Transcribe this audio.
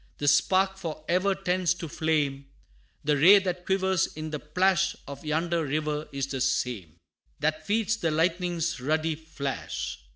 The spark for ever tends to flame; The ray that quivers in the plash Of yonder river, is the same That feeds the lightning's ruddy flash.